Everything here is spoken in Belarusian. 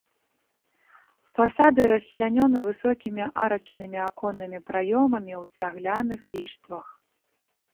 Фасады расчлянёны высокімі арачнымі аконнымі праёмамі ў цагляных ліштвах.